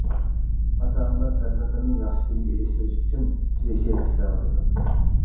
ئاتا-ئانىلار پەرزەنتلىرىنى ياخشى كۈنگە ئېرىشتۈرۈش ئۈچۈن تىرىشىپ ئىشلەۋاتىدۇ.